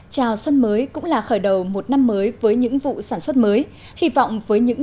chào xuân mới cũng là khởi đầu một năm mới với những vụ sản xuất mới